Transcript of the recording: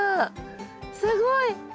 すごい！